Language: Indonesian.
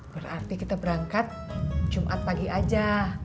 berarti kita berangkat jumat pagi aja